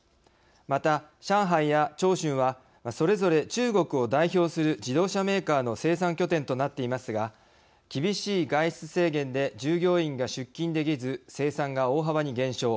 また、上海や長春はそれぞれ中国を代表する自動車メーカーの生産拠点となっていますが厳しい外出制限で従業員が出勤できず生産が大幅に減少。